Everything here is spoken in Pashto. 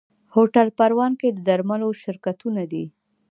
هوټل پروان کې د درملو شرکتونه دي.